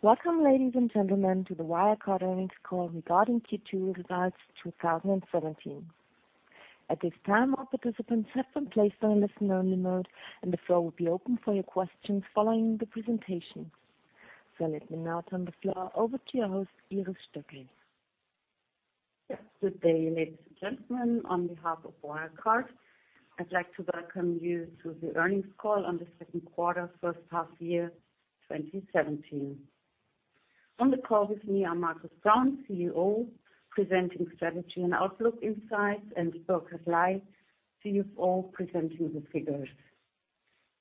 Welcome, ladies and gentlemen, to the Wirecard earnings call regarding Q2 results 2017. At this time, all participants have been placed on a listen-only mode. The floor will be open for your questions following the presentation. Let me now turn the floor over to your host, Iris Stöckl. Yes. Good day, ladies and gentlemen. On behalf of Wirecard, I'd like to welcome you to the earnings call on the second quarter first half year 2017. On the call with me are Markus Braun, CEO, presenting strategy and outlook insights, and Burkhard Ley, CFO, presenting the figures.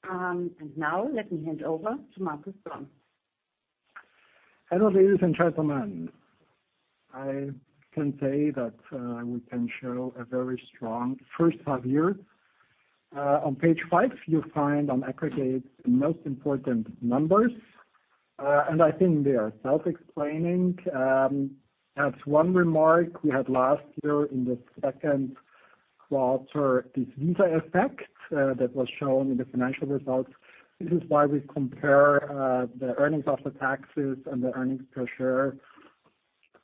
Now let me hand over to Markus Braun. Hello, ladies and gentlemen. I can say that we can show a very strong first half year. On page five, you find on aggregate the most important numbers. I think they are self-explaining. As one remark, we had last year in the second quarter, this Visa effect that was shown in the financial results. This is why we compare the earnings after taxes and the earnings per share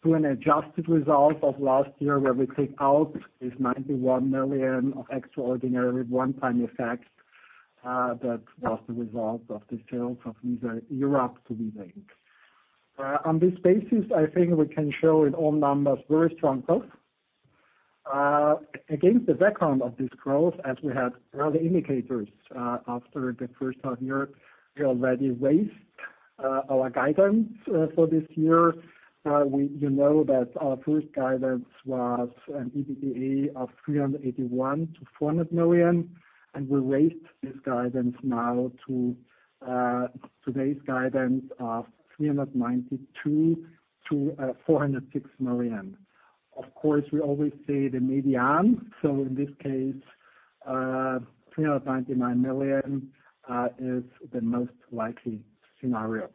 to an adjusted result of last year, where we take out this 91 million of extraordinary one-time effects, that was the result of the sales of Visa Europe to Visa Inc. On this basis, I think we can show in all numbers very strong growth. Against the background of this growth, as we had early indicators, after the first half year, we already raised our guidance for this year. You know that our first guidance was an EBITDA of 381 million to 400 million. We raised this guidance now to today's guidance of 392 million to 406 million. Of course, we always say the median, so in this case, 399 million is the most likely scenario.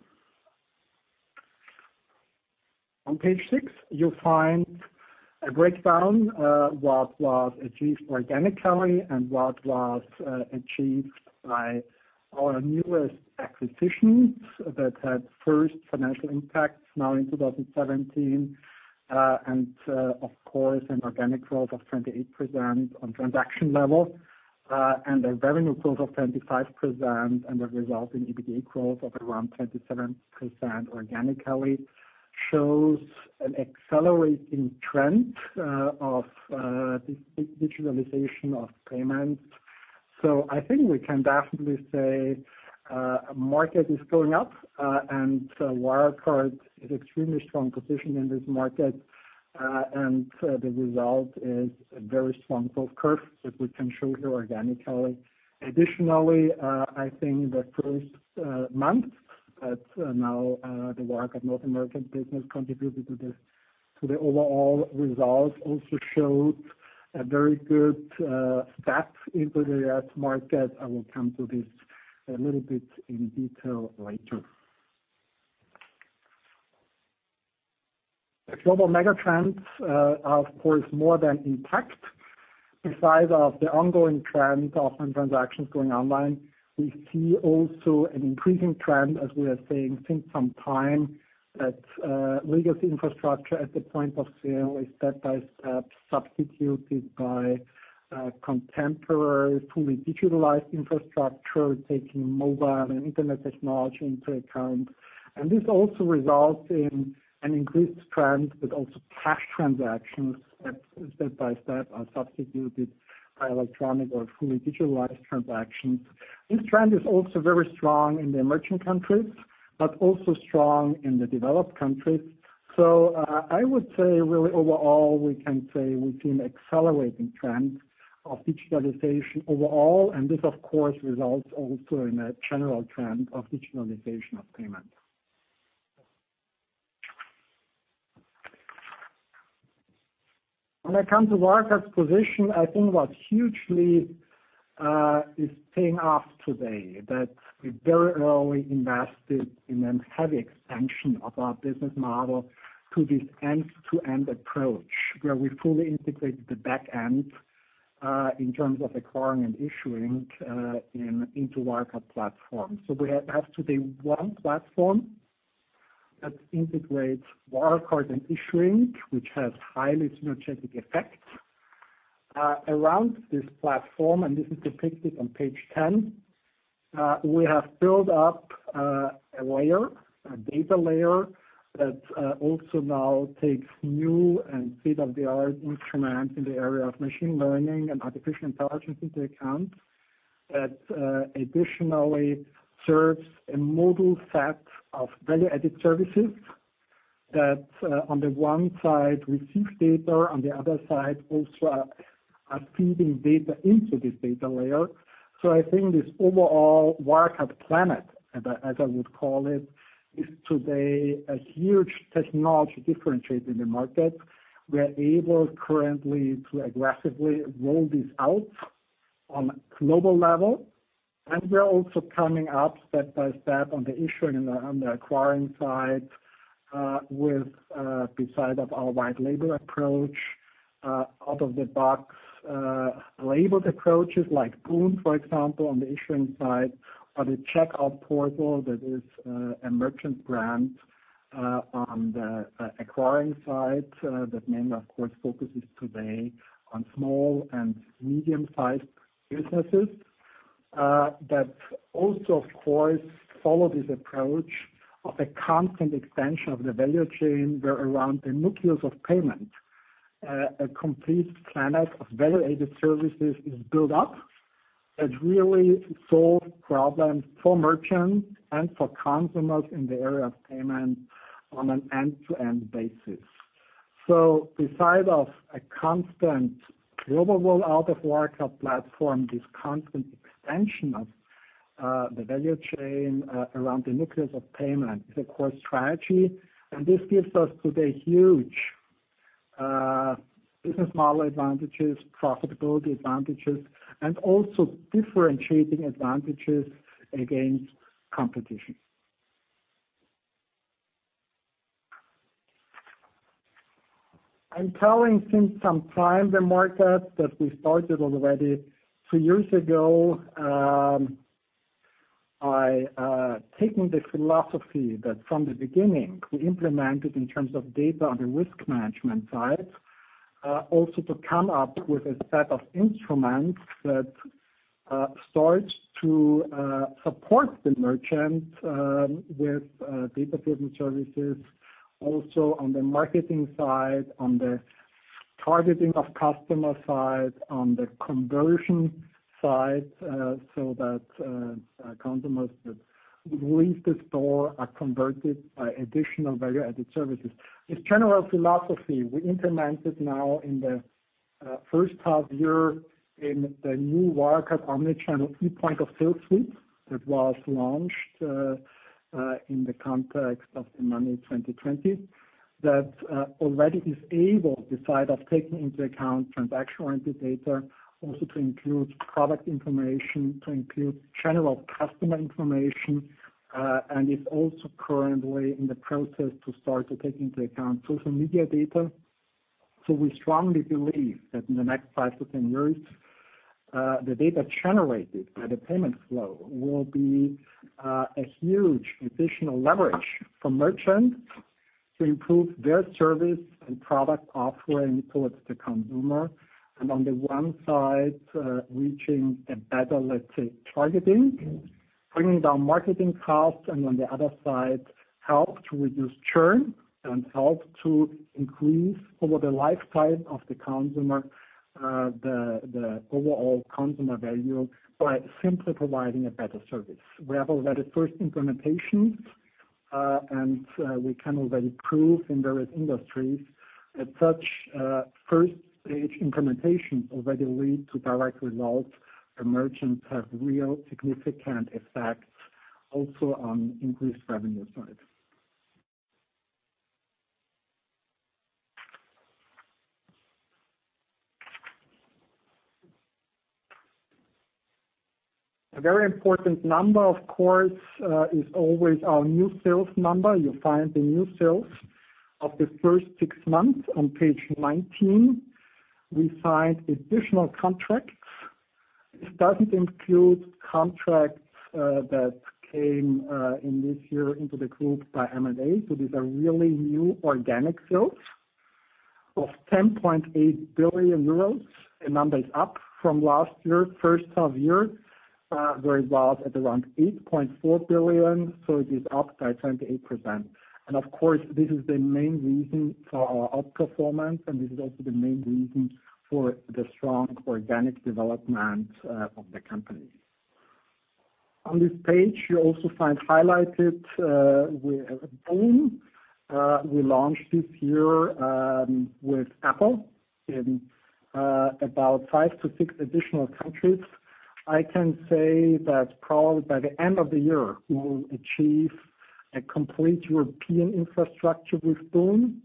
On page six, you'll find a breakdown, what was achieved organically and what was achieved by our newest acquisitions that had first financial impacts now in 2017. Of course, an organic growth of 28% on transaction level, a revenue growth of 25%, and a result in EBITDA growth of around 27% organically, shows an accelerating trend of this digitalization of payments. I think we can definitely say, market is going up. Wirecard is extremely strong position in this market. The result is a very strong growth curve that we can show here organically. Additionally, I think the first month that now, the Wirecard North America business contributed to the overall results, also showed a very good start into the U.S. market. I will come to this a little bit in detail later. The global mega trends are of course more than intact. Besides of the ongoing trend of transactions going online, we see also an increasing trend, as we are saying since some time, that legacy infrastructure at the point of sale is step by step substituted by contemporary, fully digitalized infrastructure, taking mobile and internet technology into account. This also results in an increased trend, but also cash transactions that step by step are substituted by electronic or fully digitalized transactions. This trend is also very strong in the emerging countries, but also strong in the developed countries. I would say really overall, we can say we've seen accelerating trends of digitalization overall, this of course, results also in a general trend of digitalization of payment. When it comes to Wirecard's position, I think what hugely is paying off today, that we very early invested in a heavy expansion of our business model to this end-to-end approach, where we fully integrated the back end, in terms of acquiring and issuing into Wirecard platform. We have today one platform that integrates Wirecard and issuing, which has highly synergetic effects. Around this platform, this is depicted on page 10, we have built up a layer, a data layer, that also now takes new and state-of-the-art instruments in the area of machine learning and artificial intelligence into account. That additionally serves a model set of value-added services that on the one side receive data, on the other side, also are feeding data into this data layer. I think this overall Wirecard planet, as I would call it, is today a huge technology differentiator in the market. We are able currently to aggressively roll this out on a global level, we are also coming up step by step on the issuing and on the acquiring side With beside of our white label approach, out-of-the-box labeled approaches like boon, for example, on the issuing side, or the Checkout Portal that is a merchant brand on the acquiring side, that mainly, of course, focuses today on small and medium-sized businesses. Also, of course, follow this approach of a constant extension of the value chain where around the nucleus of payment, a complete planet of value-added services is built up that really solve problems for merchants and for consumers in the area of payment on an end-to-end basis. Beside of a constant global roll out of Wirecard platform, this constant extension of the value chain around the nucleus of payment is a core strategy, this gives us today huge business model advantages, profitability advantages, and also differentiating advantages against competition. I'm telling since some time, the market, that we started already three years ago, taking the philosophy that from the beginning, we implemented in terms of data on the risk management side, also to come up with a set of instruments that start to support the merchant with data-driven services, also on the marketing side, on the targeting of customer side, on the conversion side, so that consumers that leave the store are converted by additional value-added services. This general philosophy, we implemented now in the first half year in the new Wirecard omni-channel e-point-of-sale suite that was launched in the context of the Money20/20, that already is able, beside of taking into account transaction-oriented data, also to include product information, to include general customer information, and is also currently in the process to start to take into account social media data. We strongly believe that in the next five to 10 years, the data generated by the payment flow will be a huge additional leverage for merchants to improve their service and product offering towards the consumer. On the one side, reaching a better, let's say, targeting, bringing down marketing costs, and on the other side, help to reduce churn and help to increase over the lifetime of the consumer, the overall consumer value by simply providing a better service. We have already first implementation, and we can already prove in various industries that such first stage implementation already lead to direct results. The merchants have real significant effect also on increased revenue side. A very important number, of course, is always our new sales number. You find the new sales of the first six months on page 19. We signed additional contracts. This doesn't include contracts that came in this year into the group by M&A. These are really new organic sales of 10.8 billion euros. The number is up from last year, first half year, where it was at around 8.4 billion, it is up by 28%. Of course, this is the main reason for our outperformance, and this is also the main reason for the strong organic development of the company. On this page, you also find highlighted with boon. We launched this year with Apple in about five to six additional countries. I can say that probably by the end of the year, we will achieve a complete European infrastructure with boon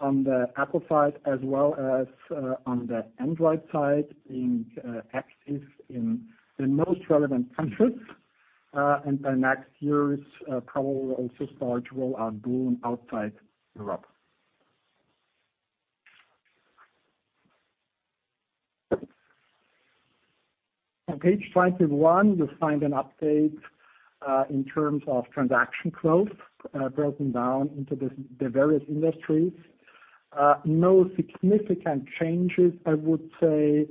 on the Apple side as well as on the Android side, being active in the most relevant countries. By next year, probably we'll also start to roll out boon outside Europe. On page 21, you find an update in terms of transaction growth, broken down into the various industries. No significant changes, I would say,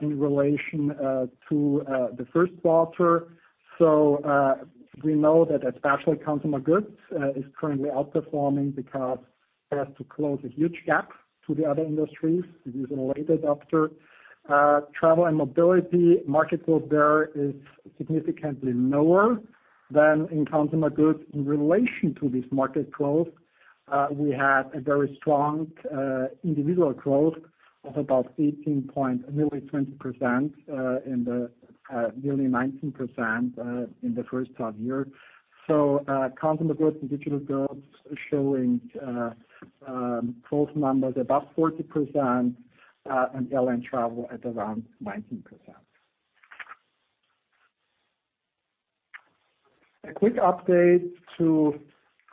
in relation to the first quarter. We know that especially consumer goods is currently outperforming because it has to close a huge gap to the other industries. This is a late adapter. Travel and mobility, market growth there is significantly lower than in consumer goods. In relation to this market growth, we had a very strong individual growth of about Nearly 19% in the first half year. Consumer goods and digital goods showing growth numbers above 40% and airline travel at around 19%. A quick update to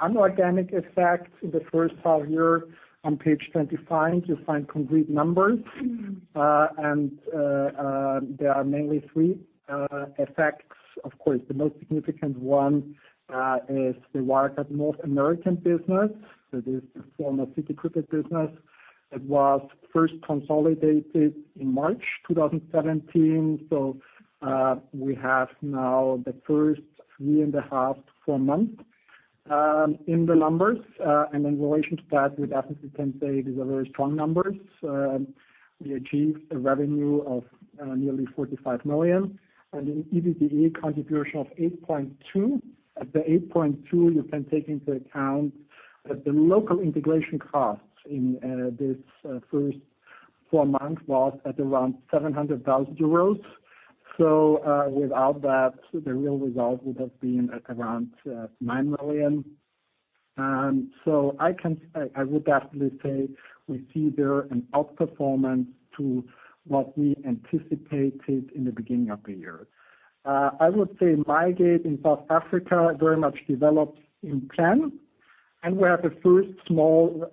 inorganic effects in the first half year. On page 25, you find complete numbers, and there are mainly three effects. Of course, the most significant one is the Wirecard North American business. That is the former Citi Prepaid business. It was first consolidated in March 2017, so we have now the first three and a half, four months in the numbers. In relation to that, we definitely can say these are very strong numbers. We achieved a revenue of nearly 45 million and an EBITDA contribution of 8.2 million. At the 8.2 million, you can take into account that the local integration costs in this first four months was at around 700,000 euros. So without that, the real result would have been at around 9 million. I would definitely say we see there an outperformance to what we anticipated in the beginning of the year. MyGate in South Africa very much developed in plan, and we have the first small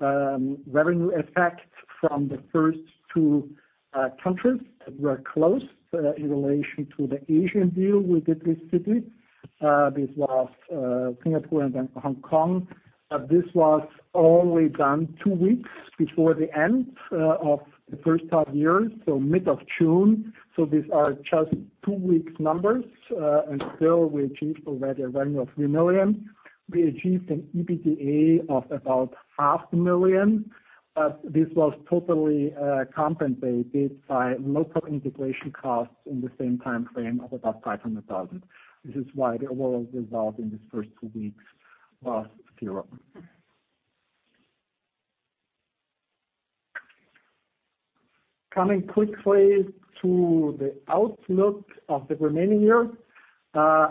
revenue effect from the first two countries that were close in relation to the Asian deal we did with Citi. This was Singapore and then Hong Kong. This was only done two weeks before the end of the first half-year, so mid of June. These are just two weeks numbers, and still we achieved already a revenue of 3 million. We achieved an EBITDA of about half million EUR. But this was totally compensated by local integration costs in the same time frame of about 500,000. This is why the overall result in these first two weeks was zero. Coming quickly to the outlook of the remaining year. I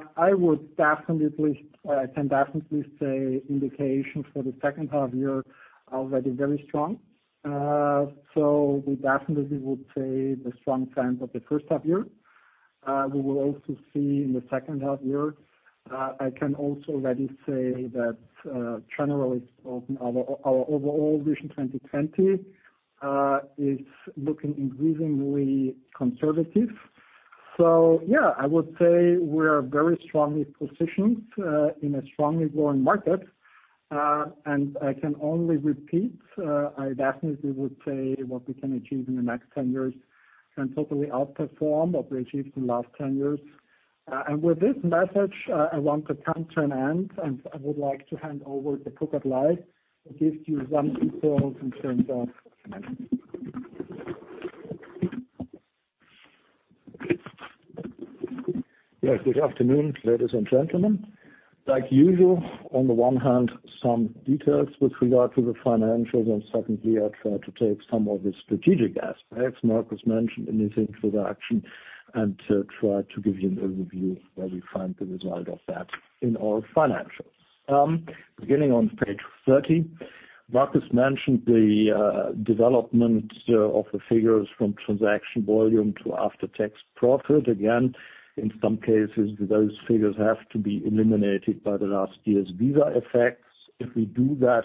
can definitely say indications for the second half-year are already very strong. We definitely would say the strong trends of the first half-year, we will also see in the second half-year. I can also already say that generally speaking, our overall Vision 2020 is looking increasingly conservative. Yeah, I would say we are very strongly positioned in a strongly growing market. I can only repeat, I definitely would say what we can achieve in the next 10 years can totally out-perform what we achieved in the last 10 years. With this message, I want to come to an end, and I would like to hand over to Burkhard Ley to give you some details in terms of finances. Yes. Good afternoon, ladies and gentlemen. Like usual, on the one hand, some details with regard to the financials and secondly, I try to take some of the strategic aspects Markus mentioned in his introduction and to try to give you an overview where we find the result of that in our financials. Beginning on page 30. Markus mentioned the development of the figures from transaction volume to after-tax profit. Again, in some cases, those figures have to be eliminated by the last year's Visa effects. If we do that,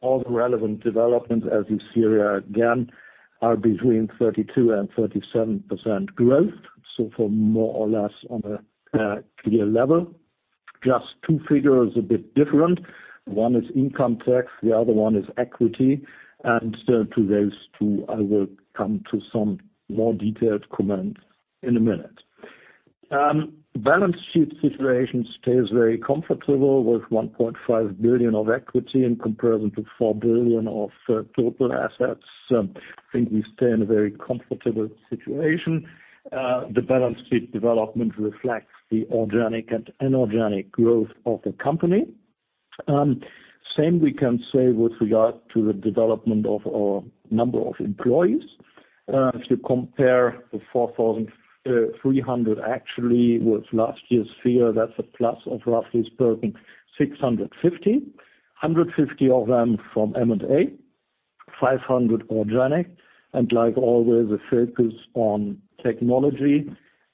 all the relevant developments as you see here again, are between 32%-37% growth. So for more or less on a clear level. Just two figures a bit different. One is income tax, the other one is equity. To those two, I will come to some more detailed comments in a minute. Balance sheet situation stays very comfortable with 1.5 billion of equity in comparison to 4 billion of total assets. I think we stay in a very comfortable situation. The balance sheet development reflects the organic and inorganic growth of the company. Same we can say with regard to the development of our number of employees. If you compare the 4,300 actually with last year's figure, that's a plus of roughly speaking 650. 150 of them from M&A, 500 organic and like always, a focus on technology,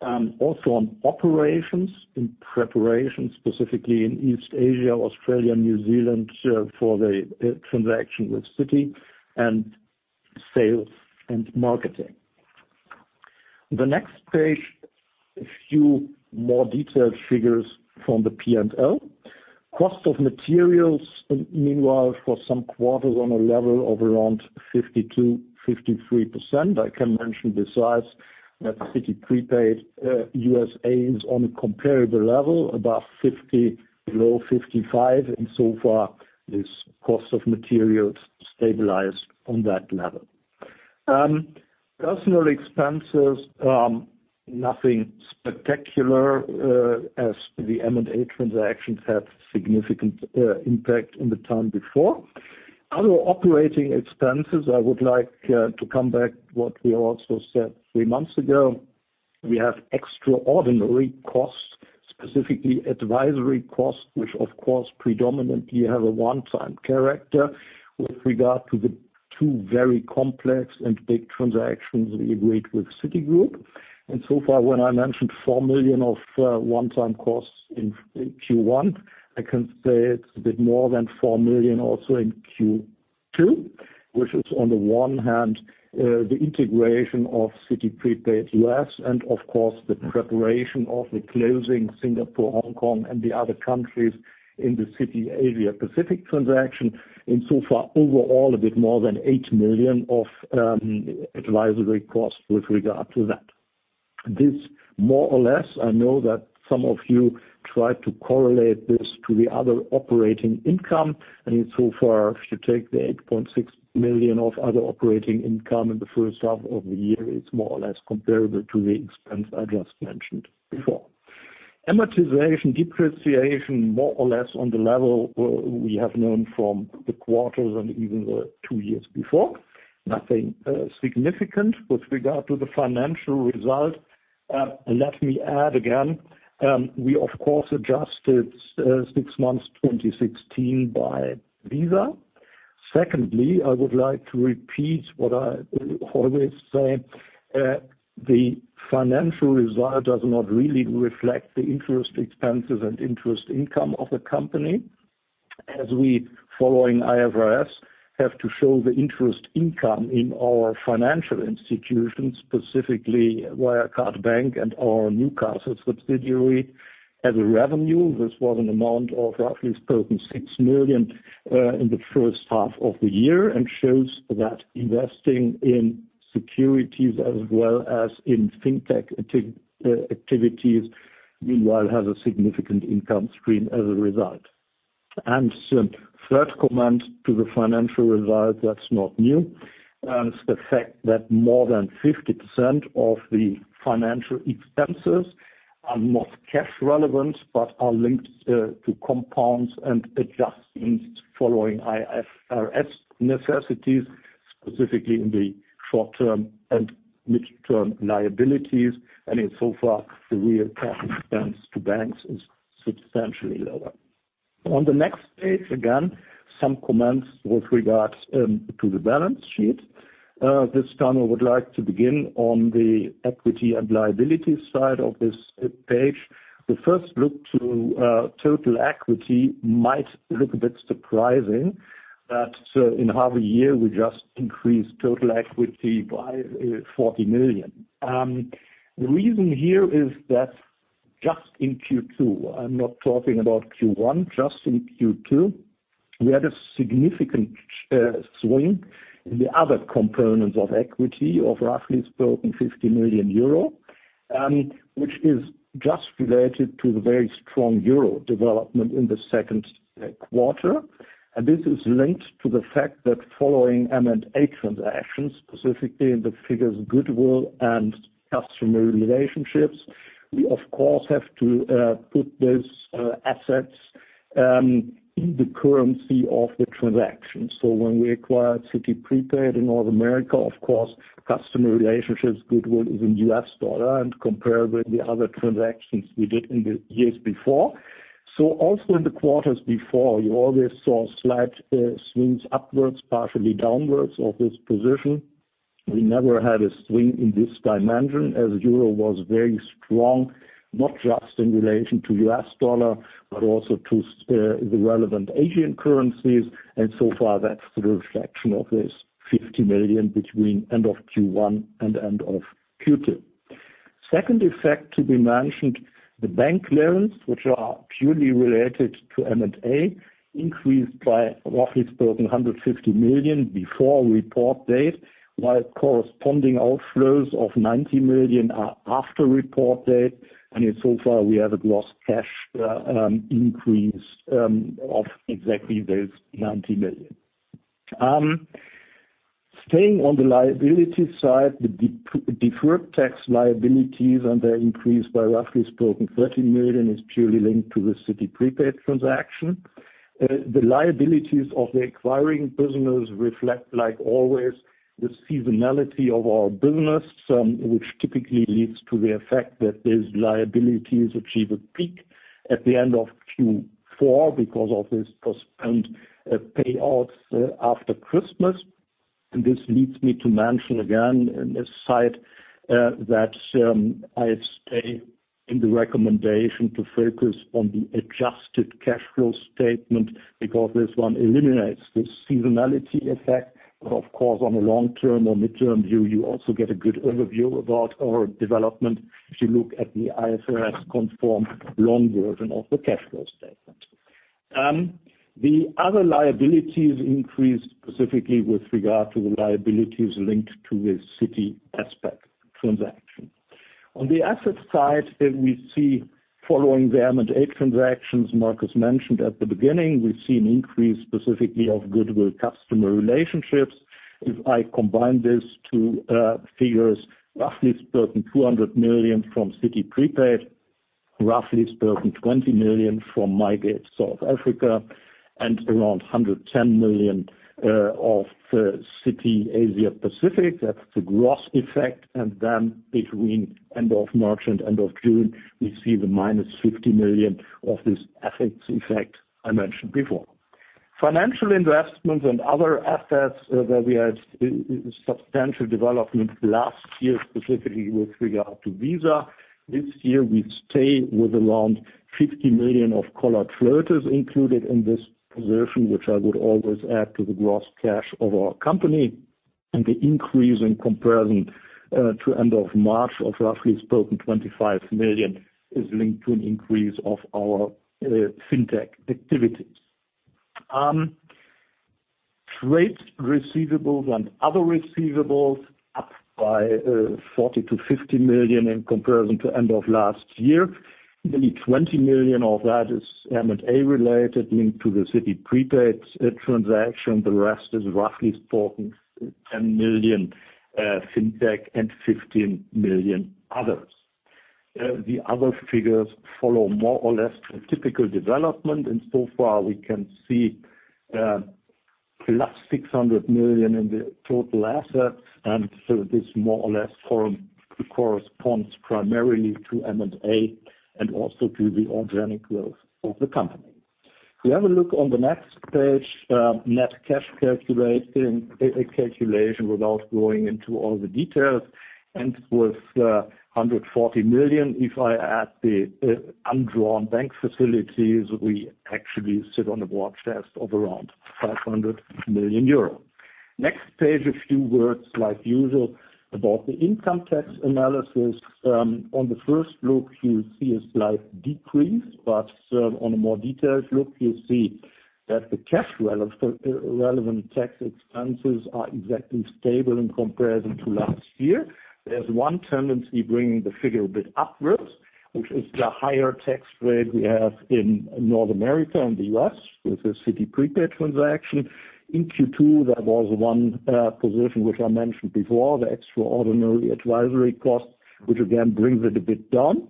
also on operations in preparation, specifically in East Asia, Australia, New Zealand for the transaction with Citi and sales and marketing. The next page, a few more detailed figures from the P&L. Cost of materials, meanwhile for some quarters on a level of around 52%, 53%. I can mention the size that the Citi Prepaid U.S. is on a comparable level, above 50%, below 55% and so far this cost of materials stabilized on that level. Personal expenses, nothing spectacular as the M&A transactions had significant impact in the time before. Other operating expenses, I would like to come back to what we also said three months ago. We have extraordinary costs, specifically advisory costs, which of course predominantly have a one-time character with regard to the two very complex and big transactions we agreed with Citigroup. So far, when I mentioned 4 million of one-time costs in Q1, I can say it's a bit more than 4 million also in Q2, which is on the one hand, the integration of Citi Prepaid U.S. and of course, the preparation of the closing Singapore, Hong Kong, and the other countries in the Citi Asia Pacific transaction. So far, overall, a bit more than 8 million of advisory costs with regard to that. This more or less, I know that some of you tried to correlate this to the other operating income. So far, if you take the 8.6 million of other operating income in the first half of the year, it's more or less comparable to the expense I just mentioned before. Amortization, depreciation, more or less on the level we have known from the quarters and even the two years before. Nothing significant with regard to the financial result. Let me add again, we of course adjusted six months 2016 by Visa. Secondly, I would like to repeat what I always say. The financial result does not really reflect the interest expenses and interest income of the company, as we, following IFRS, have to show the interest income in our financial institutions, specifically Wirecard Bank and our Newcastle subsidiary. As a revenue, this was an amount of roughly spoken 6 million in the first half of the year and shows that investing in securities as well as in fintech activities, meanwhile, has a significant income stream as a result. Third comment to the financial result that's not new, is the fact that more than 50% of the financial expenses are not cash relevant but are linked to compounds and adjustments following IFRS necessities, specifically in the short-term and mid-term liabilities. Insofar, the real cash expense to banks is substantially lower. On the next page, again, some comments with regards to the balance sheet. This time I would like to begin on the equity and liability side of this page. The first look to total equity might look a bit surprising that in half a year, we just increased total equity by 40 million. The reason here is that just in Q2, I'm not talking about Q1, just in Q2, we had a significant swing in the other components of equity of roughly spoken 50 million euro, which is just related to the very strong Euro development in the second quarter. This is linked to the fact that following M&A transactions, specifically in the figures goodwill and customer relationships, we of course have to put those assets in the currency of the transaction. When we acquired Citi Prepaid in North America, of course, customer relationships, goodwill is in USD and comparable to the other transactions we did in the years before. Also in the quarters before, you always saw slight swings upwards, partially downwards of this position. We never had a swing in this dimension as Euro was very strong, not just in relation to USD, but also to the relevant Asian currencies. So far, that's the reflection of this 50 million between end of Q1 and end of Q2. Second effect to be mentioned, the bank loans, which are purely related to M&A, increased by roughly spoken 150 million before report date, while corresponding outflows of 90 million are after report date. Insofar, we have a gross cash increase of exactly those 90 million. Staying on the liability side, the deferred tax liabilities and their increase by roughly spoken 13 million is purely linked to the Citi Prepaid transaction. The liabilities of the acquiring business reflect, like always, the seasonality of our business, which typically leads to the effect that these liabilities achieve a peak at the end of Q4 because of this postponed payouts after Christmas. This leads me to mention again in this side, that I stay in the recommendation to focus on the adjusted cash flow statement because this one eliminates the seasonality effect. Of course, on a long-term or mid-term view, you also get a good overview about our development if you look at the IFRS-conformed long version of the cash flow statement. The other liabilities increased specifically with regard to the liabilities linked to the Citi Asia Pacific transaction. On the asset side, we see following the M&A transactions Markus mentioned at the beginning, we see an increase specifically of goodwill customer relationships. If I combine these two figures, roughly spoken 200 million from Citi Prepaid, roughly spoken 20 million from MyGate South Africa, and around 110 million of Citi Asia Pacific. That's the gross effect. Between end of March and end of June, we see the minus 50 million of this FX effect I mentioned before. Financial investments and other assets where we had substantial development last year, specifically with regard to Visa. This year we stay with around 50 million of callable floaters included in this position, which I would always add to the gross cash of our company. The increase in comparison to end of March of roughly spoken 25 million is linked to an increase of our fintech activities. Trade receivables and other receivables up by 40 million to 50 million in comparison to end of last year. Nearly 20 million of that is M&A related linked to the Citi Prepaid transaction. The rest is roughly spoken 10 million fintech and 15 million others. So far, we can see +600 million in the total assets, and this more or less corresponds primarily to M&A and also to the organic growth of the company. If we have a look on the next page, net cash calculation without going into all the details. With 140 million, if I add the undrawn bank facilities, we actually sit on a war chest of around 500 million euro. Next page, a few words like usual about the income tax analysis. On the first look, you see a slight decrease, but on a more detailed look, you see that the cash relevant tax expenses are exactly stable in comparison to last year. There's one tendency bringing the figure a bit upwards, which is the higher tax rate we have in North America and the U.S. with the Citi Prepaid transaction. In Q2, there was one position which I mentioned before, the extraordinary advisory cost, which again brings it a bit down.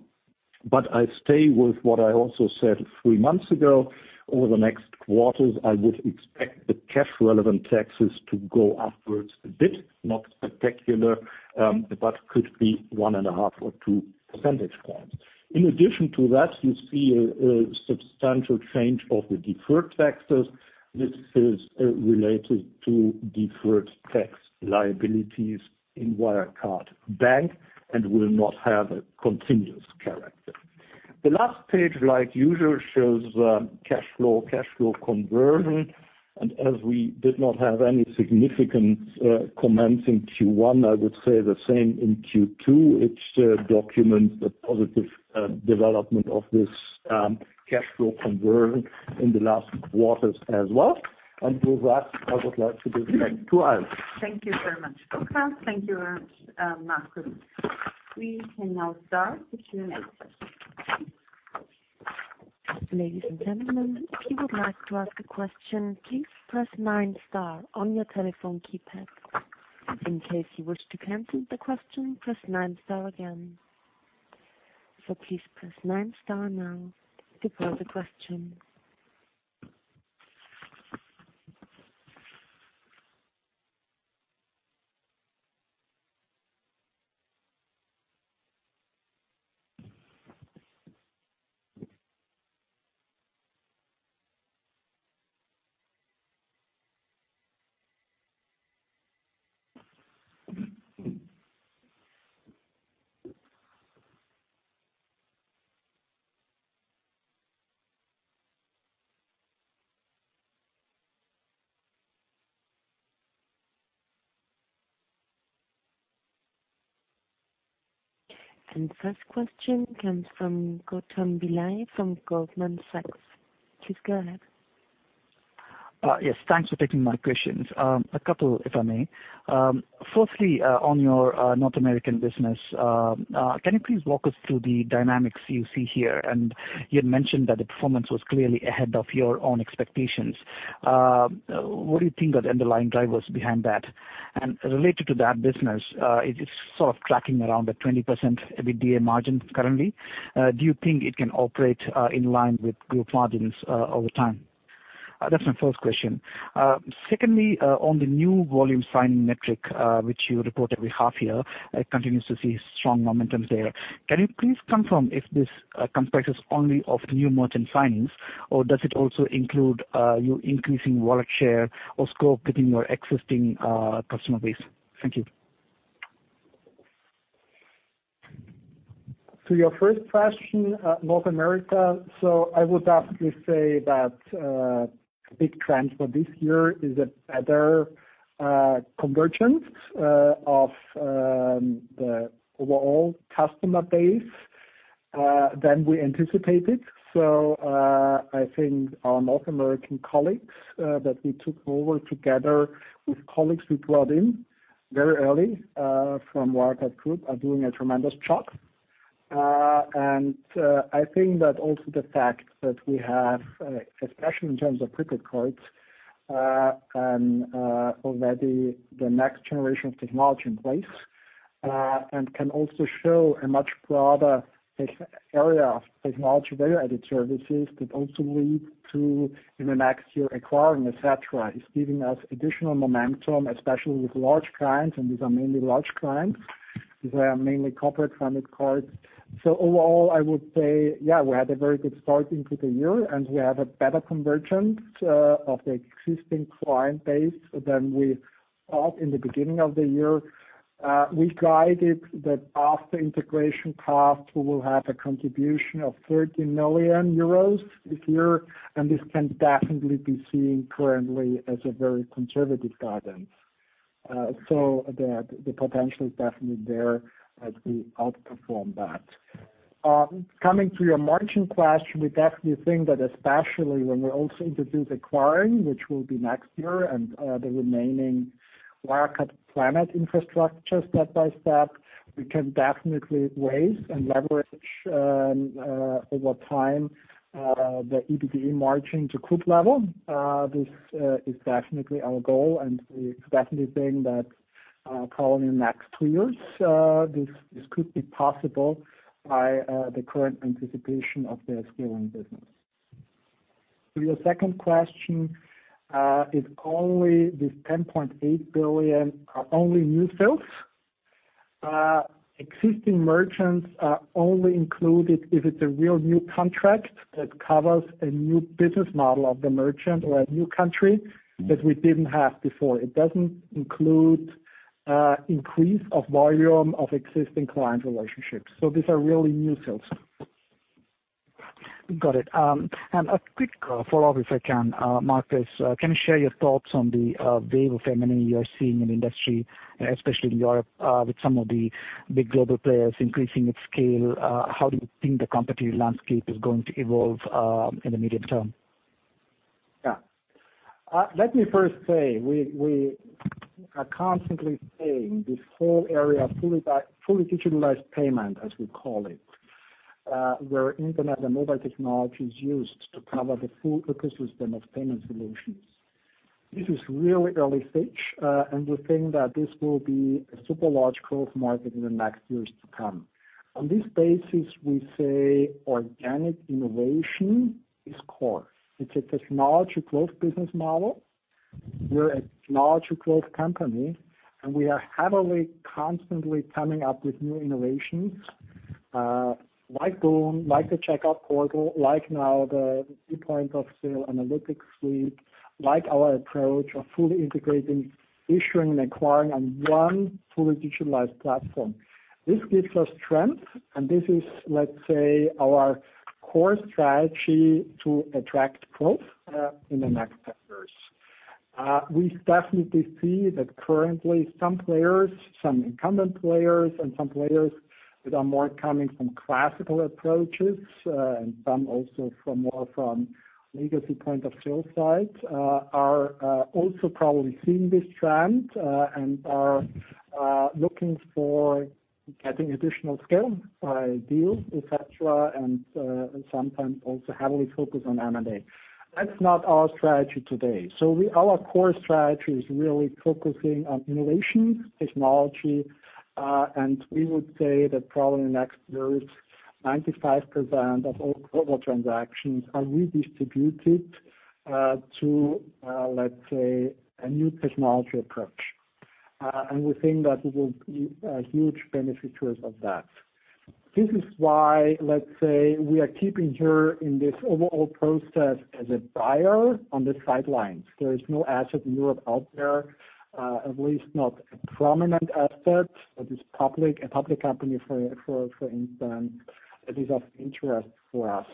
I stay with what I also said three months ago. Over the next quarters, I would expect the cash relevant taxes to go upwards a bit, not spectacular, but could be one and a half or two percentage points. In addition to that, you see a substantial change of the deferred taxes. This is related to deferred tax liabilities in Wirecard Bank and will not have a continuous character. The last page, like usual, shows cash flow conversion. As we did not have any significant comments in Q1, I would say the same in Q2, it documents the positive development of this cash flow conversion in the last quarters as well. With that, I would like to give back to Iris Stöckl. Thank you very much, Burkhard. Thank you very much, Markus. We can now start the Q&A session. Ladies and gentlemen, if you would like to ask a question, please press nine star on your telephone keypad. In case you wish to cancel the question, press nine star again. Please press nine star now to pose a question. First question comes from Gautam Pillai from Goldman Sachs. Please go ahead. Yes, thanks for taking my questions. A couple if I may. Firstly, on your North American business, can you please walk us through the dynamics you see here? You had mentioned that the performance was clearly ahead of your own expectations. What do you think are the underlying drivers behind that? Related to that business, it is sort of tracking around the 20% EBITDA margin currently. Do you think it can operate in line with Group margins over time? That's my first question. Secondly, on the new volume signing metric, which you report every half year, it continues to see strong momentum there. Can you please confirm if this comprises only of new merchant signings, or does it also include you increasing wallet share or scope within your existing customer base? Thank you. To your first question, North America. I would actually say that a big trend for this year is a better convergence of the overall customer base than we anticipated. I think our North American colleagues that we took over together with colleagues we brought in very early from Wirecard Group are doing a tremendous job. I think that also the fact that we have, especially in terms of prepaid cards, already the next generation of technology in place. Can also show a much broader area of technology value-added services that also lead to, in the next year, acquiring, et cetera, is giving us additional momentum, especially with large clients. These are mainly corporate funded cards. Overall, I would say, we had a very good start into the year, we have a better conversion of the existing client base than we thought in the beginning of the year. We guided that after integration cost, we will have a contribution of 30 million euros this year, this can definitely be seen currently as a very conservative guidance. The potential is definitely there as we outperform that. Coming to your margin question, we definitely think that especially when we also introduce acquiring, which will be next year, and the remaining Wirecard client infrastructure step by step, we can definitely raise and leverage, over time, the EBITDA margin to Group level. This is definitely our goal, we are definitely saying that probably in next two years, this could be possible by the current anticipation of the scaling business. To your second question, this 10.8 billion are only new sales. Existing merchants are only included if it's a real new contract that covers a new business model of the merchant or a new country that we didn't have before. It doesn't include increase of volume of existing client relationships. These are really new sales. Got it. A quick follow-up if I can, Markus. Can you share your thoughts on the wave of M&A you are seeing in the industry, especially in Europe, with some of the big global players increasing its scale? How do you think the competitive landscape is going to evolve in the medium term? Let me first say, we are constantly seeing this whole area of fully digitalized payment, as we call it, where internet and mobile technology is used to cover the full ecosystem of payment solutions. This is really early stage. We think that this will be a super large growth market in the next years to come. On this basis, we say organic innovation is core. It's a technology growth business model. We're a technology growth company. We are heavily constantly coming up with new innovations, like boon, like the Checkout Portal, like now the ePoint of Sale analytics suite, like our approach of fully integrating, issuing, and acquiring on one fully digitalized platform. This gives us strength, and this is, let's say, our core strategy to attract growth in the next years. We definitely see that currently some players, some incumbent players, some players that are more coming from classical approaches, some also from more from legacy point of sale sides, are also probably seeing this trend, are looking for getting additional scale by deals, et cetera, sometimes also heavily focus on M&A. That's not our strategy today. Our core strategy is really focusing on innovation, technology. We would say that probably in the next years, 95% of all global transactions are redistributed to, let's say, a new technology approach. We think that we will be a huge beneficiaries of that. This is why, let's say, we are keeping here in this overall process as a buyer on the sidelines. There is no asset in Europe out there, at least not a prominent asset that is a public company, for instance, that is of interest for us.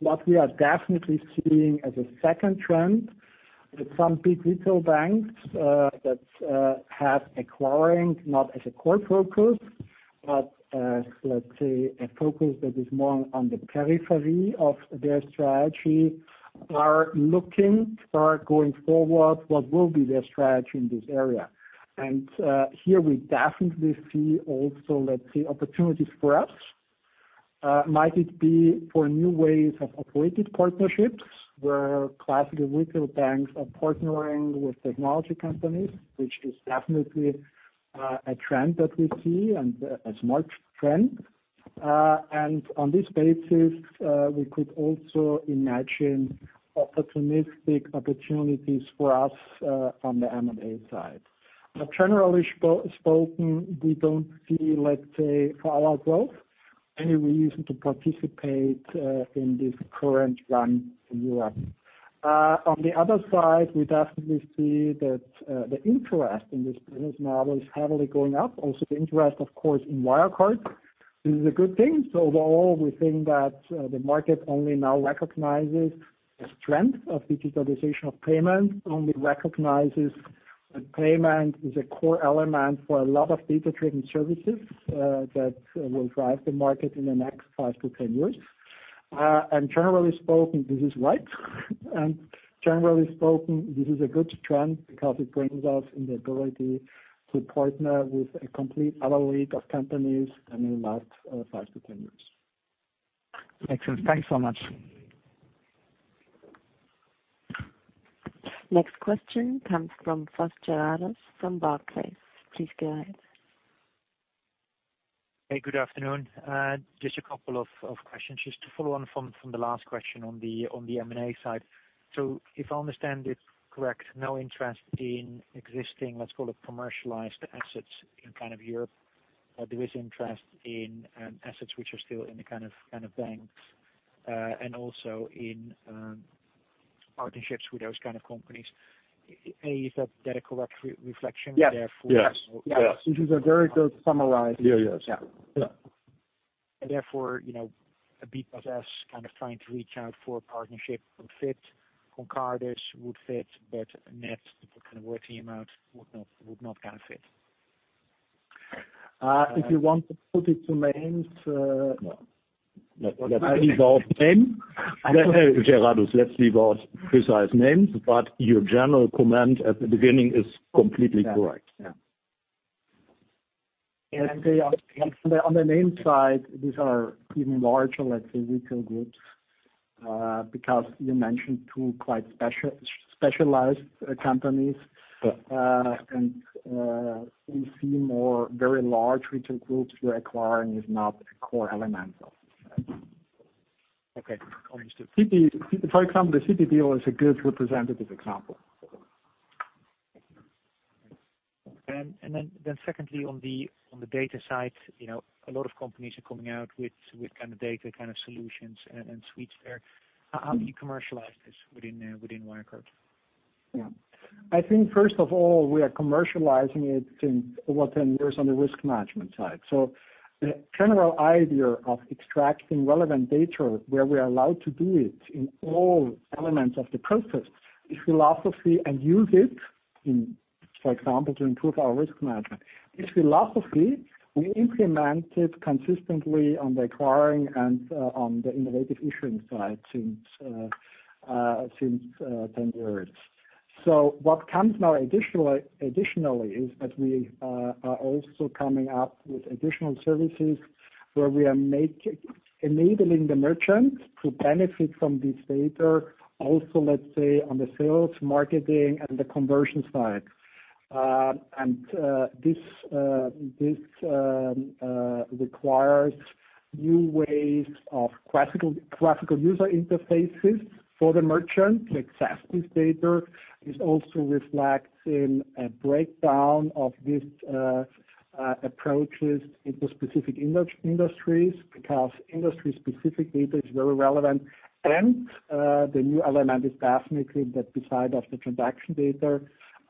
What we are definitely seeing as a second trend with some big retail banks that have acquiring, not as a core focus, but let's say, a focus that is more on the periphery of their strategy, are looking for going forward what will be their strategy in this area. Here we definitely see also, let's say, opportunities for us. Might it be for new ways of operated partnerships, where classical retail banks are partnering with technology companies, which is definitely a trend that we see, and a smart trend. On this basis, we could also imagine opportunistic opportunities for us on the M&A side. Generally spoken, we don't see, let's say, for our growth, any reason to participate in this current run in Europe. On the other side, we definitely see that the interest in this business model is heavily going up, also the interest, of course, in Wirecard. This is a good thing. Overall, we think that the market only now recognizes the strength of digitalization of payment, only recognizes that payment is a core element for a lot of data-driven services that will drive the market in the next five to 10 years. Generally spoken, this is right. Generally spoken, this is a good trend because it brings us in the ability to partner with a complete other league of companies than in the last five to 10 years. Excellent. Thanks so much. Next question comes from Foss Geradus from Barclays. Please go ahead. Hey, good afternoon. Just a couple of questions just to follow on from the last question on the M&A side. If I understand it correct, no interest in existing, let's call it commercialized assets in kind of Europe. There is interest in assets which are still in the kind of banks, and also in partnerships with those kind of companies. A, is that a correct reflection therefore? Yes. Yes. Yes. This is a very good summarize. Yes. Yeah. Therefore, a B plus S kind of trying to reach out for a partnership would fit, Concardis would fit, but Adyen, if we kind of work the amount, would not kind of fit. If you want to put it to names, no. Let's leave out name. Geradus, let's leave out precise names, but your general comment at the beginning is completely correct. Yeah. On the name side, these are even larger, let's say retail groups, because you mentioned two quite specialized companies. Yeah. We see more very large retail groups we are acquiring is not a core element of that. Okay. Understood. For example, the CP deal is a good representative example. secondly, on the data side, a lot of companies are coming out with data solutions and suites there. How do you commercialize this within Wirecard? First of all, we are commercializing it in what then works on the risk management side. The general idea of extracting relevant data where we are allowed to do it in all elements of the process is philosophy and use it in, for example, to improve our risk management. This philosophy we implemented consistently on the acquiring and on the innovative issuing side since 10 years. What comes now additionally is that we are also coming up with additional services where we are enabling the merchant to benefit from this data also, let's say, on the sales, marketing, and the conversion side. This requires new ways of classical user interfaces for the merchant to access this data. It also reflects in a breakdown of these approaches into specific industries, because industry specific data is very relevant. The new element is definitely that beside of the transaction data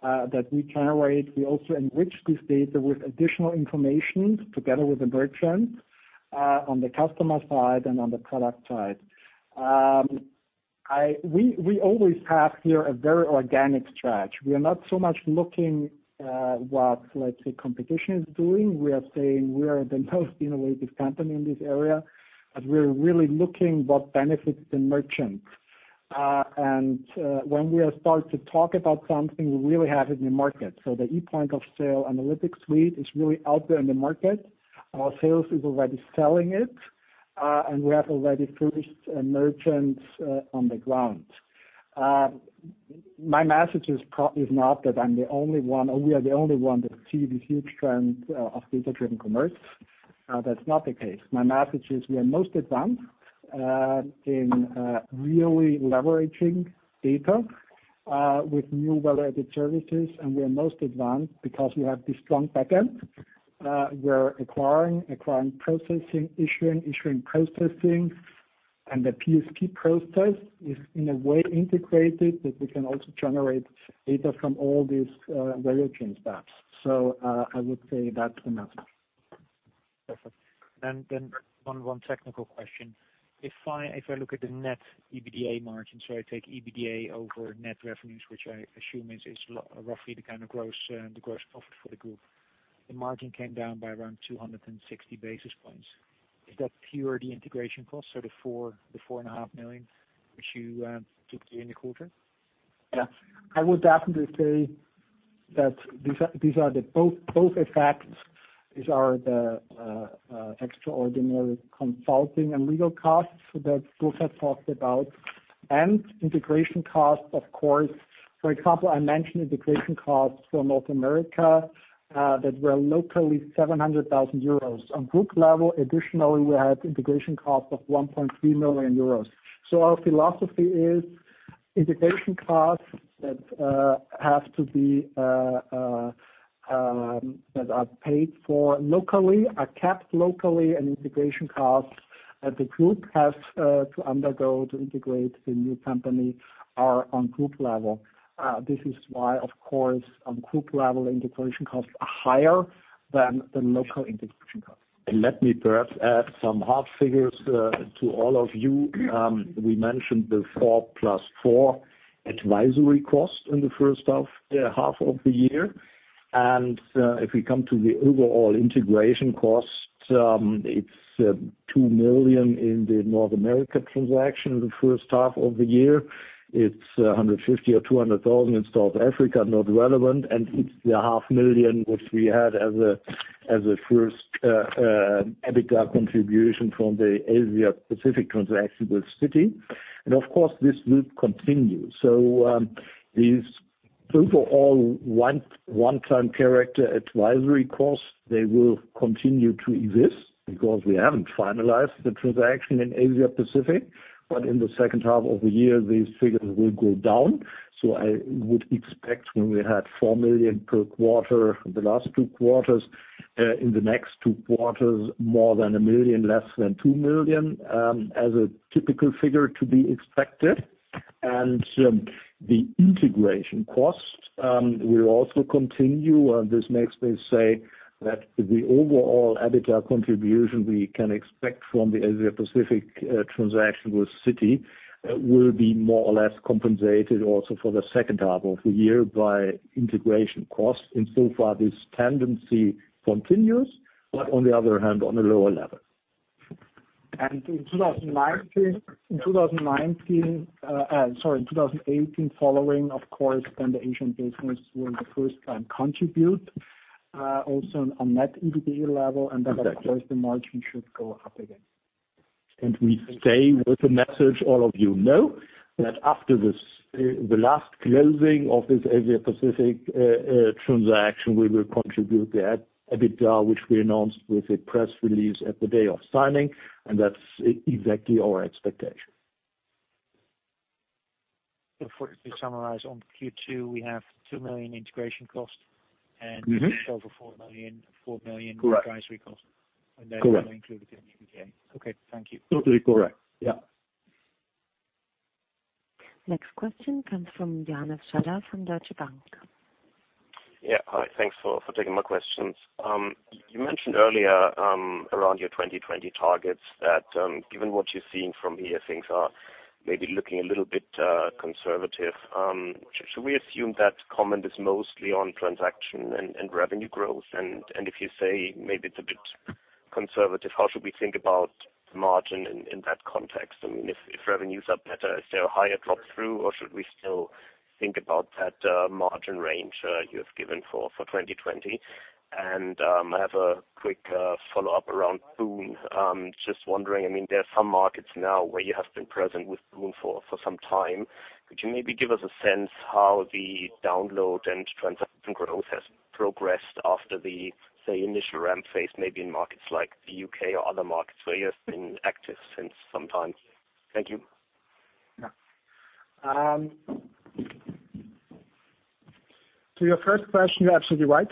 that we generate, we also enrich this data with additional information together with the merchant, on the customer side and on the product side. We always have here a very organic stretch. We are not so much looking what, let's say, competition is doing. We are saying we are the most innovative company in this area, and we're really looking what benefits the merchant. When we start to talk about something, we really have it in the market. The ePoint of Sale analytics suite is really out there in the market. Our sales is already selling it, and we have already produced merchants on the ground. My message is not that I'm the only one, or we are the only one that see this huge trend of data-driven commerce. That's not the case. My message is we are most advanced, in really leveraging data, with new value-added services. We are most advanced because we have this strong backend. We're acquiring processing, issuing processing, and the PSP process is in a way integrated that we can also generate data from all these value chain steps. I would say that's the message. Perfect. Then one technical question. If I look at the net EBITDA margin, I take EBITDA over net revenues, which I assume is roughly the kind of gross profit for the group. The margin came down by around 260 basis points. Is that purely the integration cost, the four and a half million EUR, which you took here in the quarter? I would definitely say that these are the both effects is our extraordinary consulting and legal costs, so that Burkhard talked about and integration costs, of course. For example, I mentioned integration costs for North America, that were locally 700,000 euros. On group level, additionally, we had integration costs of 1.3 million euros. Our philosophy is integration costs that are paid for locally are capped locally, and integration costs that the group has to undergo to integrate the new company are on group level. This is why of course, on group level, integration costs are higher than local integration costs. Let me perhaps add some hard figures to all of you. We mentioned the four plus four EUR advisory cost in the first half of the year. If we come to the overall integration cost, it's 2 million in the North America transaction the first half of the year. It's 150,000 or 200,000 in South Africa, not relevant. It's the half million EUR which we had as a first EBITDA contribution from the Asia Pacific transaction with Citi. Of course, this will continue. These for all one-time character advisory costs, they will continue to exist because we haven't finalized the transaction in Asia Pacific. In the second half of the year, these figures will go down. I would expect when we had 4 million per quarter for the last two quarters, in the next two quarters, more than a million EUR, less than 2 million, as a typical figure to be expected. The integration costs will also continue. This makes me say that the overall EBITDA contribution we can expect from the Asia Pacific transaction with Citi will be more or less compensated also for the second half of the year by integration costs. So far, this tendency continues, but on the other hand, on a lower level. In 2019, sorry, in 2018 following, of course, then the Asian business will the first time contribute, also on net EBITDA level. Exactly. Then, of course, the margin should go up again. We stay with the message all of you know, that after the last closing of this Asia Pacific transaction, we will contribute the EBITDA, which we announced with a press release at the day of signing, and that's exactly our expectation. To summarize on Q2, we have 2 million integration cost. Over 4 million advisory cost. Correct. That's included in the EBITDA. Okay. Thank you. Totally correct. Yeah. Next question comes from Janosch Scherer from Deutsche Bank. Yeah. Hi. Thanks for taking my questions. You mentioned earlier, around your 2020 targets, that given what you're seeing from here, things are maybe looking a little bit conservative. Should we assume that comment is mostly on transaction and revenue growth? If you say maybe it's a bit conservative, how should we think about margin in that context? If revenues are better, is there a higher drop-through, or should we still think about that margin range you have given for 2020? I have a quick follow-up around boon. Just wondering, there are some markets now where you have been present with boon for some time. Could you maybe give us a sense how the download and transaction growth has progressed after the, say, initial ramp phase, maybe in markets like the U.K. or other markets where you have been active since some time? Thank you. Yeah. To your first question, you're absolutely right.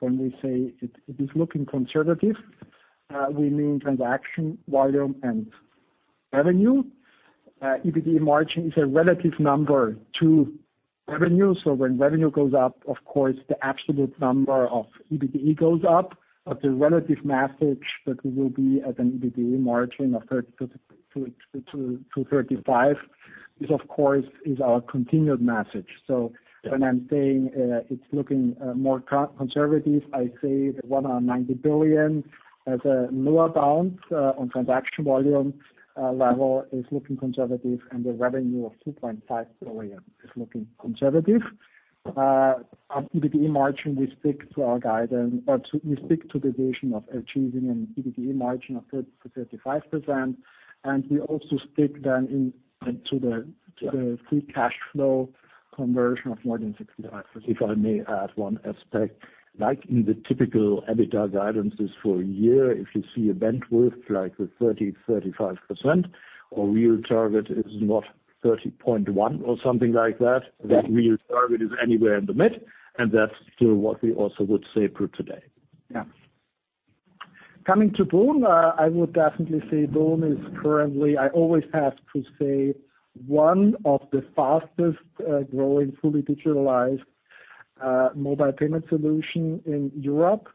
When we say it is looking conservative, we mean transaction volume and revenue. EBITDA margin is a relative number to revenue. When revenue goes up, of course, the absolute number of EBITDA goes up. The relative message that we will be at an EBITDA margin of 30%-35% is, of course, our continued message. When I'm saying it's looking more conservative, I say the 190 billion as a lower bound on transaction volume level is looking conservative, and the revenue of 2.5 billion is looking conservative. On EBITDA margin, we stick to our guidance, or we stick to the vision of achieving an EBITDA margin of 30%-35%. We also stick then to the free cash flow conversion of more than 65%. If I may add one aspect. In the typical EBITDA guidances for a year, if you see a bandwidth like the 30%-35%, our real target is not 30.1% or something like that. The real target is anywhere in the mid, and that's still what we also would say for today. Coming to boon, I would definitely say boon is currently, I always have to say, one of the fastest-growing, fully digitalized mobile payment solution in Europe.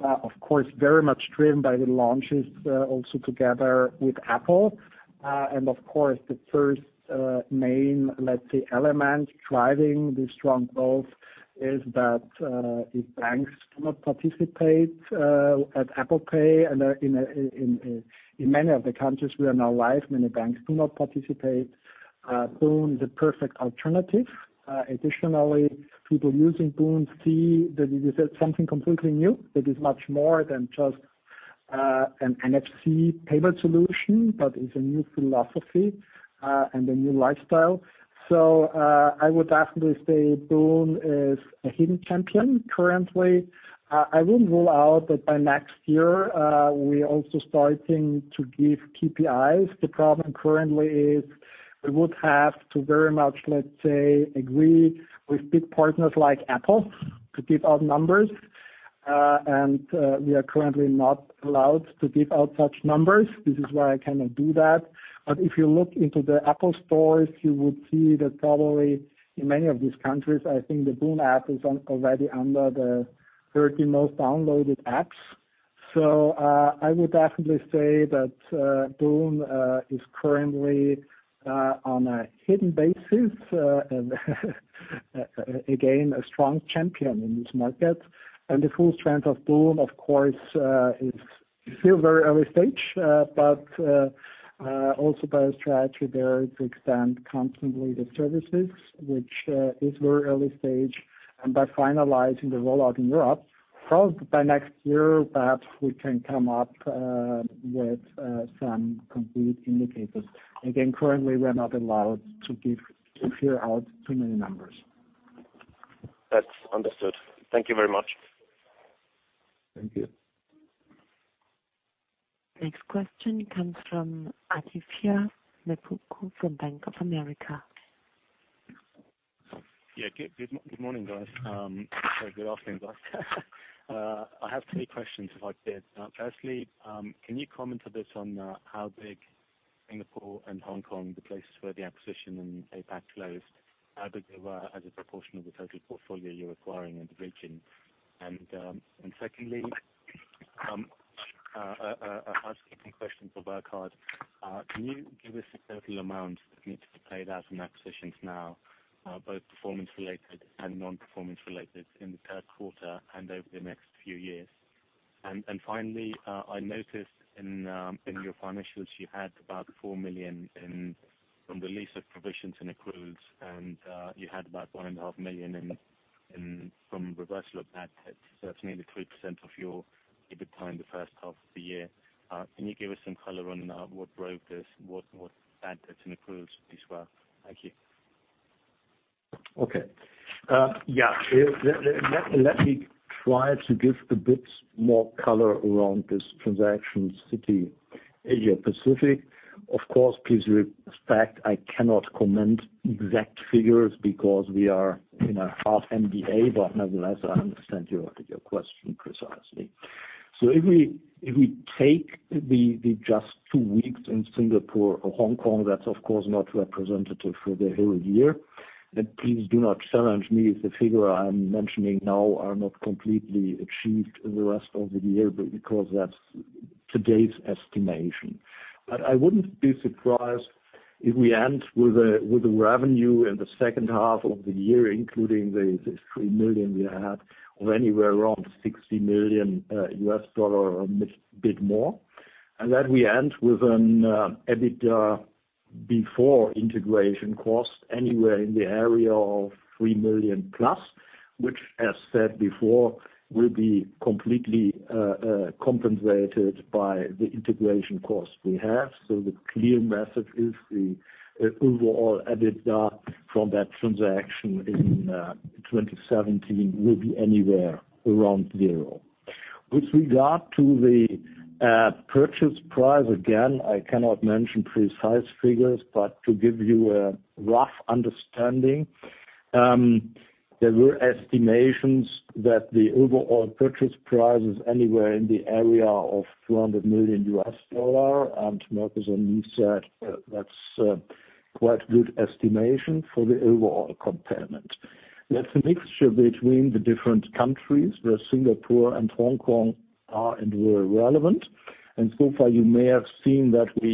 Of course, very much driven by the launches also together with Apple. Of course, the first main element driving this strong growth is that if banks do not participate at Apple Pay, in many of the countries we are now live, many banks do not. boon is a perfect alternative. Additionally, people using boon see that it is something completely new, that is much more than just an NFC payment solution, but is a new philosophy and a new lifestyle. I would definitely say boon is a hidden champion currently. I wouldn't rule out that by next year, we're also starting to give KPIs. The problem currently is we would have to very much agree with big partners like Apple to give out numbers, and we are currently not allowed to give out such numbers. This is why I cannot do that. If you look into the Apple stores, you would see that probably in many of these countries, I think the boon app is already under the 30 most downloaded apps. I would definitely say that boon is currently on a hidden basis, again, a strong champion in this market. The full strength of boon, of course, it's still very early stage. Also by a strategy there to extend constantly the services, which is very early stage, and by finalizing the rollout in Europe. Probably by next year perhaps we can come up with some complete indicators. Again, currently, we're not allowed to give out too many numbers. That's understood. Thank you very much. Thank you. Next question comes from Atif Bajwa from Bank of America. Good morning, guys. Sorry, good afternoon, guys. I have three questions if I could. Firstly, can you comment a bit on how big Singapore and Hong Kong, the places where the acquisition in APAC closed, how big they were as a proportion of the total portfolio you're acquiring in the region? Secondly, I have a question for Burkhard. Can you give us the total amount that needs to be paid out in acquisitions now, both performance related and non-performance related in the third quarter and over the next few years? Finally, I noticed in your financials, you had about 4 million from the lease of provisions and accruals, and you had about 1.5 million from reversal of bad debts. That's nearly 3% of your EBITDA in the first half of the year. Can you give us some color on what drove this? What bad debts and accruals as well? Thank you. Okay. Yeah. Let me try to give a bit more color around this transaction, Citi Asia Pacific. Of course, please respect I cannot comment exact figures because we are in a half NDA, but nevertheless, I understand your question precisely. If we take the just two weeks in Singapore or Hong Kong, that's of course not representative for the whole year. Please do not challenge me if the figure I'm mentioning now are not completely achieved in the rest of the year because that's today's estimation. I wouldn't be surprised if we end with the revenue in the second half of the year, including the $3 million we had of anywhere around $60 million US dollar or a bit more, and that we end with an EBITDA before integration cost anywhere in the area of $3 million plus, which as said before, will be completely compensated by the integration cost we have. The clear message is the overall EBITDA from that transaction in 2017 will be anywhere around zero. With regard to the purchase price, again, I cannot mention precise figures, but to give you a rough understanding, there were estimations that the overall purchase price is anywhere in the area of $200 million US dollar, and Markus and me said that's quite good estimation for the overall component. That's a mixture between the different countries where Singapore and Hong Kong are and were relevant. So far, you may have seen that we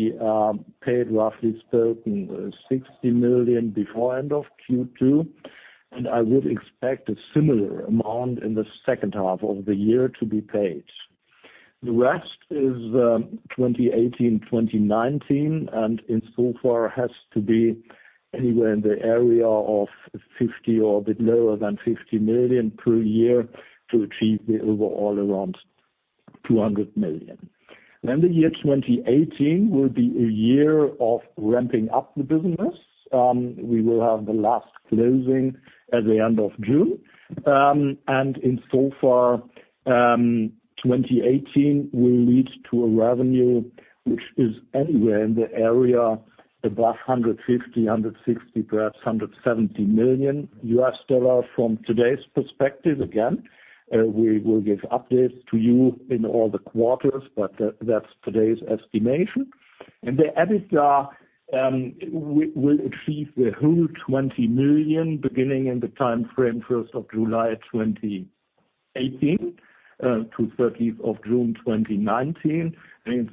paid, roughly spoken, $60 million before end of Q2. I would expect a similar amount in the second half of the year to be paid. The rest is 2018-2019. In so far has to be anywhere in the area of 50 or a bit lower than $50 million per year to achieve the overall around $200 million. The year 2018 will be a year of ramping up the business. We will have the last closing at the end of June. In so far, 2018 will lead to a revenue which is anywhere in the area above $150 million, $160 million, perhaps $170 million US dollar from today's perspective. Again, we will give updates to you in all the quarters, but that's today's estimation. The EBITDA will achieve the whole $20 million beginning in the timeframe first of July 2018 to 30th of June 2019.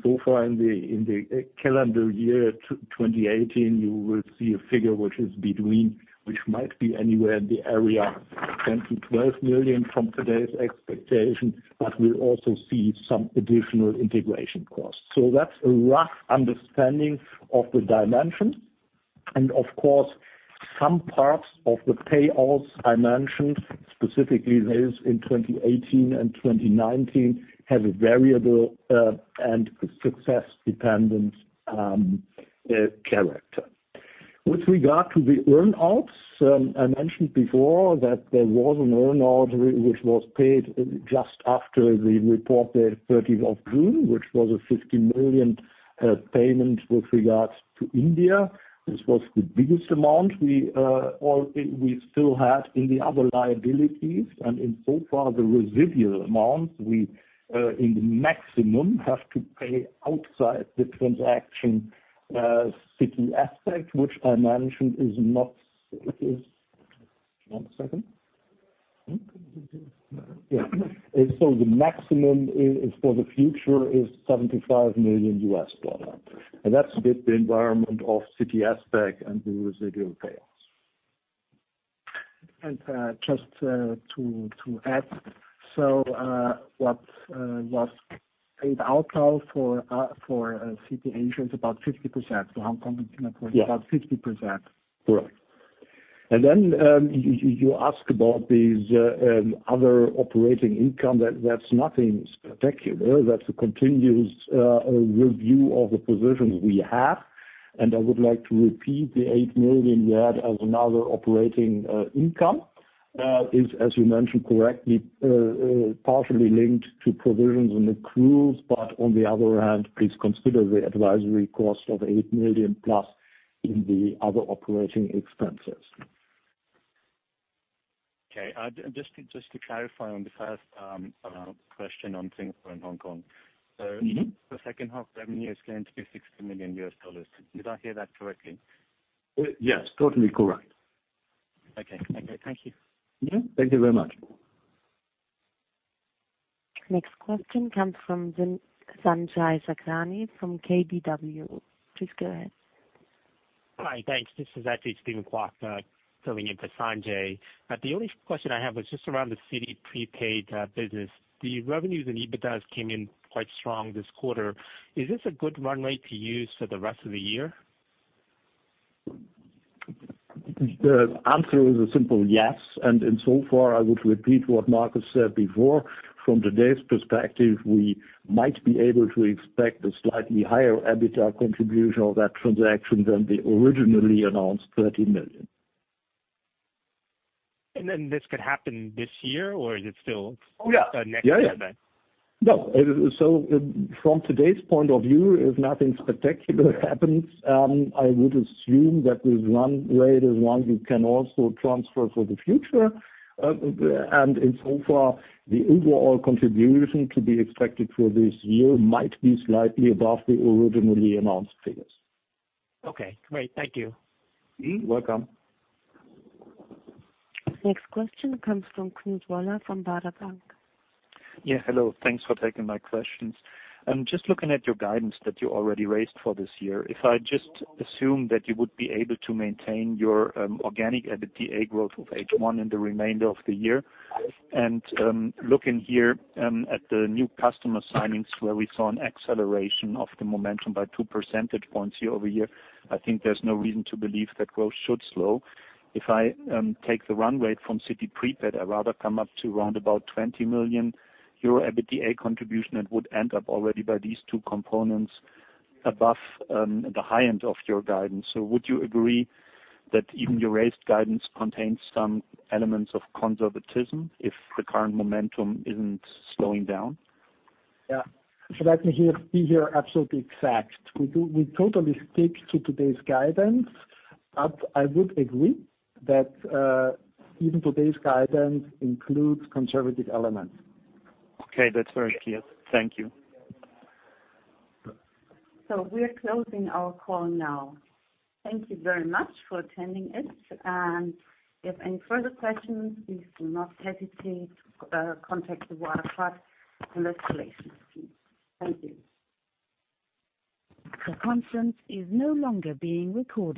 So far in the calendar year 2018, you will see a figure which might be anywhere in the area of $10 million to $12 million from today's expectation. We'll also see some additional integration costs. That's a rough understanding of the dimension. Of course, some parts of the payoffs I mentioned, specifically those in 2018 and 2019, have a variable and success-dependent character. With regard to the earn-outs, I mentioned before that there was an earn-out which was paid just after the reported 30th of June, which was a $50 million payment with regards to India. This was the biggest amount we still had in the other liabilities. In so far, the residual amount we, in the maximum, have to pay outside the transaction Citi APAC, which I mentioned. The maximum for the future is $75 million. That's with the environment of Citi APAC and the residual payoffs. Just to add. What paid out now for Citi Asia is about 50%, so Hong Kong and Singapore, about 50%. Correct. Then you ask about these other operating income. That's nothing spectacular. That's a continuous review of the positions we have. I would like to repeat the 8 million we had as another operating income. It is, as you mentioned correctly, partially linked to provisions and accruals. On the other hand, please consider the advisory cost of 8 million plus in the other operating expenses. Okay. Just to clarify on the first question on Singapore and Hong Kong. The second half revenue is going to be $60 million US dollar. Did I hear that correctly? Yes, totally correct. Okay. Thank you. Yeah. Thank you very much. Next question comes from Sanjay Sakhrani from KBW. Please go ahead. Hi. Thanks. This is actually Steven Kwok filling in for Sanjay. The only question I have was just around the Citi Prepaid business. The revenues and EBITDAs came in quite strong this quarter. Is this a good run rate to use for the rest of the year? The answer is a simple yes. In so far I would repeat what Markus said before, from today's perspective, we might be able to expect a slightly higher EBITDA contribution of that transaction than the originally announced 30 million. Then this could happen this year, or is it still? Oh, yeah next year then? No. From today's point of view, if nothing spectacular happens, I would assume that this run rate is one we can also transfer for the future. In so far, the overall contribution to be expected for this year might be slightly above the originally announced figures. Okay, great. Thank you. Welcome. Next question comes from Knut Woller from Baader Bank. Hello. Thanks for taking my questions. Just looking at your guidance that you already raised for this year. If I just assume that you would be able to maintain your organic EBITDA growth of H1 in the remainder of the year, and looking here at the new customer signings where we saw an acceleration of the momentum by two percentage points year-over-year, I think there's no reason to believe that growth should slow. If I take the run rate from Citi Prepaid, I rather come up to around about 20 million euro EBITDA contribution, and would end up already by these two components above the high end of your guidance. Would you agree that even your raised guidance contains some elements of conservatism if the current momentum isn't slowing down? Let me be here absolutely exact. We totally stick to today's guidance. I would agree that even today's guidance includes conservative elements. Okay. That's very clear. Thank you. We're closing our call now. Thank you very much for attending it. If any further questions, please do not hesitate to contact the Wirecard investor relations team. Thank you. The conference is no longer being recorded.